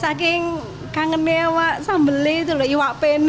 saking kangennya wak sambelnya itu iwak pene